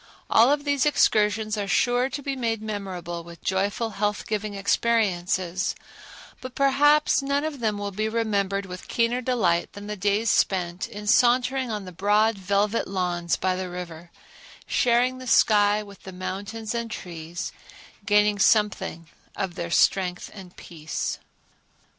All of these excursions are sure to be made memorable with joyful health giving experiences; but perhaps none of them will be remembered with keener delight than the days spent in sauntering on the broad velvet lawns by the river, sharing the sky with the mountains and trees, gaining something of their strength and peace.